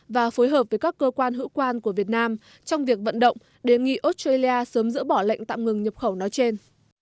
và phối hợp với các cơ quan hữu quan của việt nam trong việc vận động đề nghị australia sớm dỡ bỏ lệnh tạm ngừng nhập khẩu nói trên